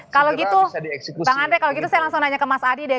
kalau gitu bang andre kalau gitu saya langsung nanya ke mas adi deh